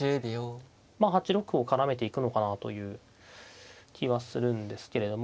まあ８六歩を絡めていくのかなという気はするんですけれども。